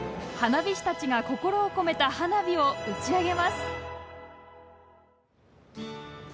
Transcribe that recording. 花火師たちが心を込めた花火を打ち上げます。